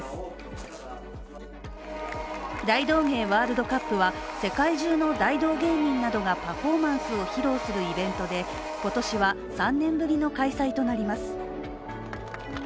ワールドカップは世界中の大道芸人などがパフォーマンスを披露するイベントで今年は３年ぶりの開催となります。